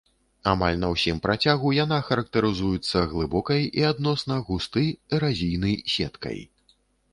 Амаль на ўсім працягу яна характарызуецца глыбокай і адносна густы эразійны сеткай.